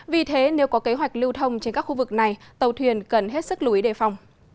vì thế nếu có kế hoạch lưu thông trên các khu vực này tàu thuyền cần hết sức lưu ý đề phòng